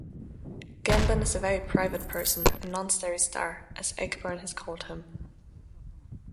Gambon is a very private person, a "non-starry star" as Ayckbourn has called him.